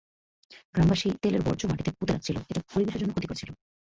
গ্রামবাসী তেলের বর্জ্য মাটিতে পুঁতে রাখছিল, এটা পরিবেশের জন্য ক্ষতিকর ছিল।